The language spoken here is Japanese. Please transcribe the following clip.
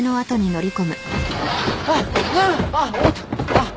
あっ！